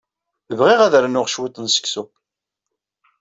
Bɣiɣ ad rnuɣ cwiṭ n seksu.